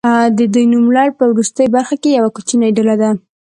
د دې نوملړ په وروستۍ برخه کې یوه کوچنۍ ډله ده.